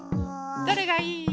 どれがいい？